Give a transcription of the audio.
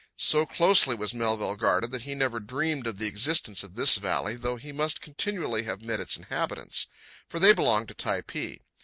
So closely was Melville guarded that he never dreamed of the existence of this valley, though he must continually have met its inhabitants, for they belonged to Typee.